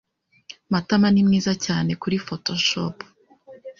Matama ni mwiza cyane kuri Photoshop.